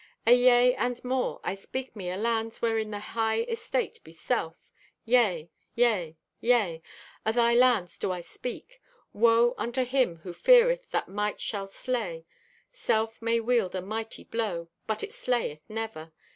"Ayea, and more. I speak me o' lands wherein the high estate be self. Yea, yea, yea, o' thy lands do I to speak. Woe unto him who feareth that might shall slay! Self may wield a mighty blow, but it slayeth never.